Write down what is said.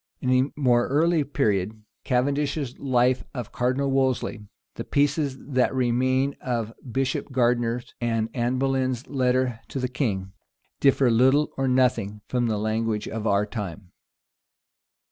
In a more early period, Cavendish's life of Cardinal Wolsey, the pieces that remain of Bishop Gardiner, and Anne Boleyn's letter to the king, differ little or nothing from the language of our time.